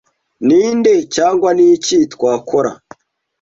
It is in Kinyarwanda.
Ninde cyangwa Niki Twakora